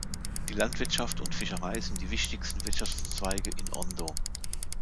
Die Landwirtschaft und Fischerei sind die wichtigsten Wirtschaftszweige in Ondo.